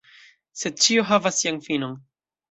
Sed ĉio havas sian finon.